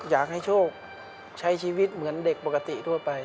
อยากให้โชคใช้ชีวิตเหมือนเด็กปกติทั่วไป